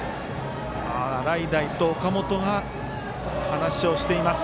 洗平と岡本が話をしています。